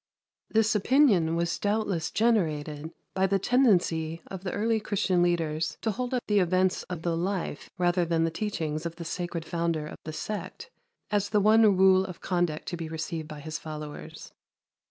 This opinion was doubtless generated by the tendency of the early Christian leaders to hold up the events of the life rather than the teachings of the sacred Founder of the sect as the one rule of conduct to be received by His followers.